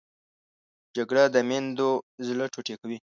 جګړه د میندو زړه ټوټې کوي